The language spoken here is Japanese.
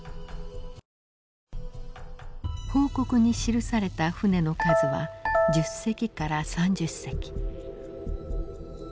報告に記された船の数は１０隻から３０隻。